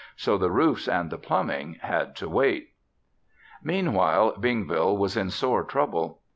So the roofs and the plumbing had to wait. Meanwhile, Bingville was in sore trouble.